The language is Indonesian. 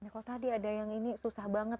kalau tadi ada yang ini susah banget